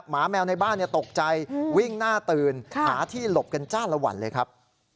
หมาแมวในบ้านตกใจวิ่งหน้าตื่นหาที่หลบกันจ้าละวันเลยครับ